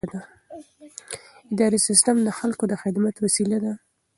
اداري سیستم د خلکو د خدمت وسیله ده.